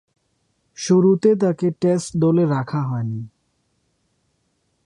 শুরুতে তাকে টেস্ট দলে রাখা হয়নি।